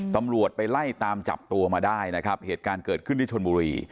ตำรวจไปไล่ตามจับตัวมาได้นะครับเหตุการณ์เกิดขึ้นที่ชนบุรี